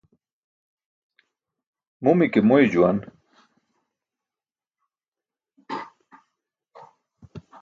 Mumi ke moy juwan.